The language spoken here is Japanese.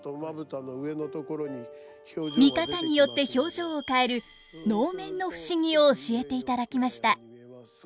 見方によって表情を変える能面の不思議を教えていただきました。